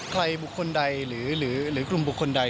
ใครบุคคลใดหรือกลุ่มบุคคลใด